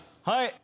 はい。